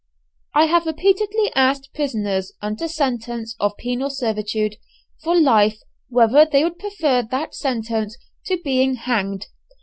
I have repeatedly asked prisoners under sentences of penal servitude for life whether they would prefer that sentence to being hanged.